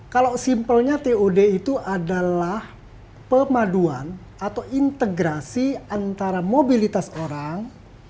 kalau simpelnya tod itu adalah pemaduan atau integrasi antara mobilitas orang